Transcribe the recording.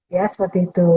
ya seperti itu